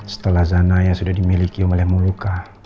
setelah zanaya sudah dimiliki oleh moluka